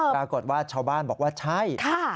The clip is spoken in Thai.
ปรากฏว่าชาวบ้านบอกว่าใช่